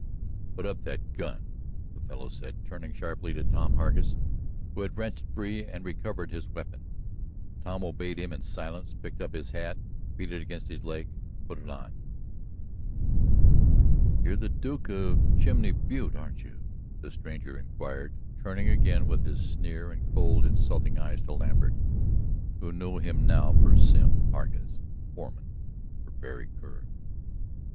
"Put up that gun!" the fellow said, turning sharply to Tom Hargus, who had wrenched free and recovered his weapon. Tom obeyed him in silence, picked up his hat, beat it against his leg, put it on. "You're the Duke of Chimney Butte, are you?" the stranger inquired, turning again with his sneer and cold, insulting eyes to Lambert, who knew him now for Sim Hargus, foreman for Berry Kerr.